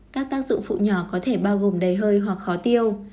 các tác dụng phụ nhỏ có thể bao gồm đầy hơi hoặc khó tiêu